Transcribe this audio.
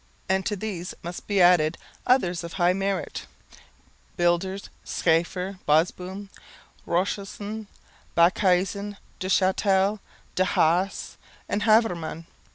And to these must be added others of high merit: Bilders, Scheffer, Bosboom, Rochussen, Bakhuysen, Du Chattel, De Haas and Haverman.